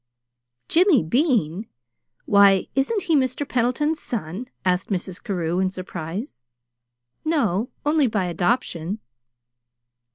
"Jimmy BEAN! Why, isn't he Mr. Pendleton's son?" asked Mrs. Carew, in surprise. "No, only by adoption."